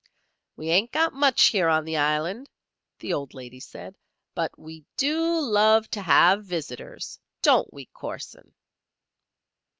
"We ain't got much here on the island," the old lady said; "but we do love to have visitors. Don't we, Corson?"